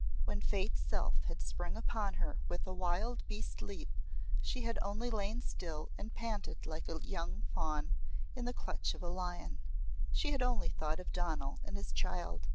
When Fate's self had sprung upon her with a wild beast leap she had only lain still and panted like a young fawn in the clutch of a lion. She had only thought of Donal and his child.